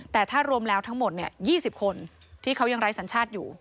แต่ถ้ารวมแล้วทั้งหมด๒๐คนที่เขายังไร้สัญชาติอยู่